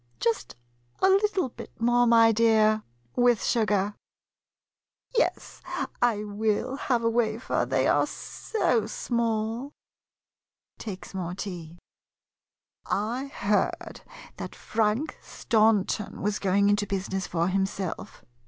Just a little bit more, my dear, with sugar. Yes, I will have a wafer, they are so small. [Takes more tea.] I heard that that Frank Staunton was going into business for himself.